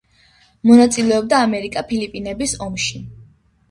მონაწილეობდა ამერიკა-ფილიპინების ომში.